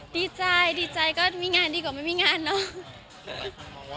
ดีใจดีใจก็มีงานดีกว่าไม่มีงานเนอะ